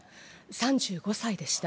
３５歳でした。